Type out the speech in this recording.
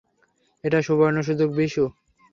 এটা সুবর্ণ সুযোগ, বিশু।